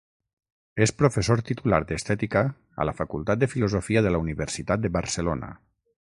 És professor titular d'Estètica a la Facultat de Filosofia de la Universitat de Barcelona.